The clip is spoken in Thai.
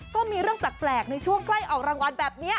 ก็มีเรื่องแปลกในช่วงใกล้ออกรางวัลแบบนี้